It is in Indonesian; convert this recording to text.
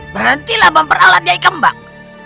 berhentilah memperalat nyai kembang